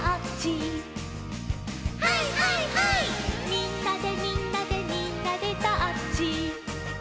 「みんなでみんなでみんなでタッチ」